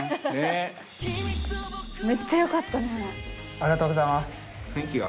ありがとうございます。